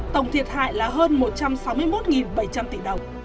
tổng thiệt hại là hơn một trăm sáu mươi một bảy trăm linh tỷ đồng